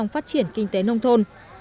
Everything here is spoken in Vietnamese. phát triển kinh tế nông thôn